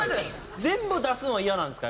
全部出すのはイヤなんですか？